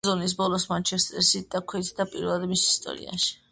სეზონის ბოლოს „მანჩესტერ სიტი“ დაქვეითდა პირველად მის ისტორიაში.